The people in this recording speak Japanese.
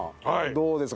どうですか？